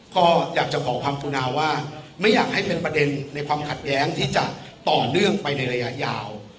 ก็อยากจะขอความกรุณาว่าไม่อยากให้เป็นประเด็นในความขัดแย้งที่จะต่อเนื่องไปในระยะยาว